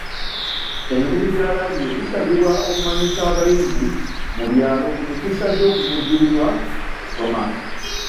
Emikutu gya laadiyo gisabibwa okumanyisa abayizi mu byalo ku mikisa gy'okuvujjirirwa mu kusoma.